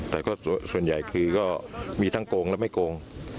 แต่ก็ส่วนใหญ่คือก็มีทั้งโกงและไม่โกง